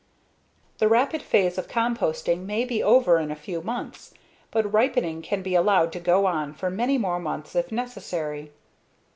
The rapid phase of composting may be over in a few months, but ripening can be allowed to go on for many more months if necessary.